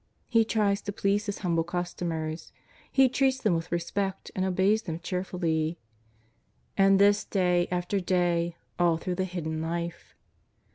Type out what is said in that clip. He tries to please His humble customers ; He treats them with re spect and obeys them cheerfully. And this day after day, all through the Hidden Life